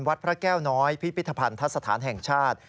วัดพระแก้วน้อยพิพิธภัณฑสถานแห่งชาติ